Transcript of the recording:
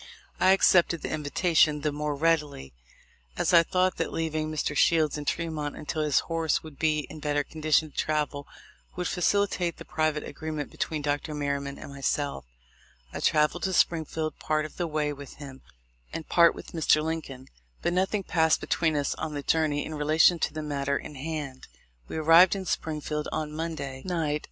I accepted the invita tion the more readily, as I thought that leaving Mr. Shields in Tremont until his horse would be in better condition to travel would facilitate the pri vate agreement between Dr. Merryman and myself. I travelled to Springfield part of the way with him, and part with Mr. Lincoln; but nothing passed between us on the journey in relation to the matter in hand. We arrived in Springfield on Monday 246 THE L1FE 0F LINCOLN. night.